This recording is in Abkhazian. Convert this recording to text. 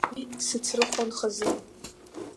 Уи сыцрыхон хазы.